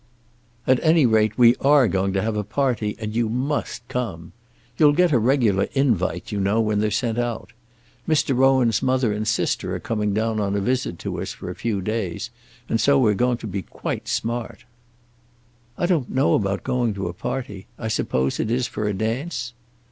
"At any rate, we are going to have a party, and you must come. You'll get a regular invite, you know, when they're sent out. Mr. Rowan's mother and sister are coming down on a visit to us for a few days, and so we're going to be quite smart." "I don't know about going to a party. I suppose it is for a dance?"